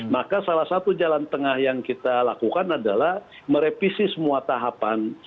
maka salah satu jalan tengah yang kita lakukan adalah merevisi semua tahapan